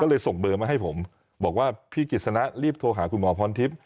ก็เลยส่งเบอร์มาให้ผมบอกว่าพี่กิจสนะรีบโทรหาคุณหมอพรทิพย์